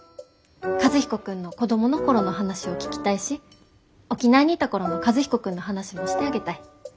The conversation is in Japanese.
和彦君の子供の頃の話を聞きたいし沖縄にいた頃の和彦君の話もしてあげたい。